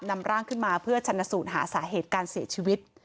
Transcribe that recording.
นำร่างขึ้นมาเพื่อชนสูตรหาสาเหตุการเสียชีวิต